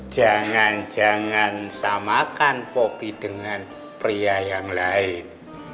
jangan jangan samakan kopi dengan pria yang lain